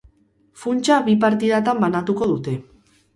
Funtsa bi partidatan banatuko dute.